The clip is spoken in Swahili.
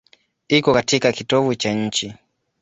Iko katika kitovu cha nchi.